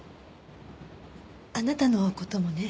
あなたの事もね。